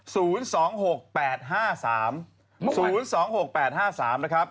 ๐๒๖๘๕๓๐๒๖๘๕สามนะครับ๑